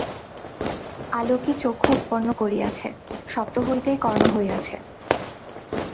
আলোকই চক্ষু উৎপন্ন করিয়াছে, শব্দ হইতেই কর্ণ হইয়াছে।